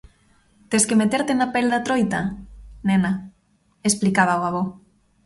_Tes que meterte na pel da troita, nena _explicaba o avó_.